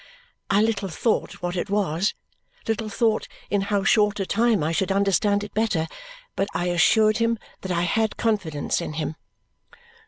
I little thought what it was, little thought in how short a time I should understand it better, but I assured him that I had confidence in him.